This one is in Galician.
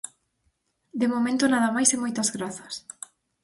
De momento nada máis e moitas grazas.